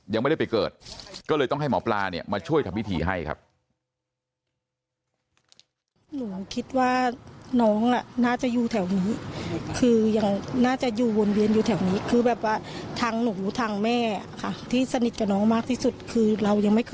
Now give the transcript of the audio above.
ยังไม่ได้ไปเกิดก็เลยต้องให้หมอปลาเนี่ยมาช่วยทำพิธีให้ครับ